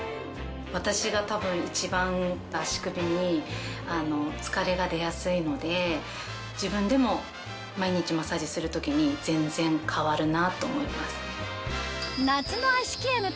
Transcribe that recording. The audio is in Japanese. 私が多分一番足首に疲れが出やすいので自分でも毎日マッサージする時に全然変わるなと思います。